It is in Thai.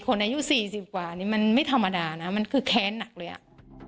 อายุสี่สิบกว่านี่มันไม่ธรรมดานะมันคือแค้นหนักเลยอ่ะ